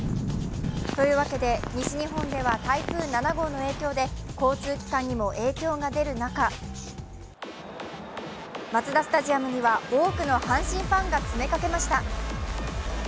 というわけで、西日本では台風７号の影響で交通機関にも影響が出る中、マツダスタジアムには多くの阪神ファンが詰めかけました。